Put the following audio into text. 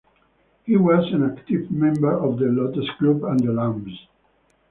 He was an active member of the Lotos Club and The Lambs.